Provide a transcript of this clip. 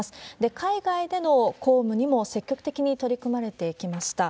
海外での公務にも積極的に取り組まれてきました。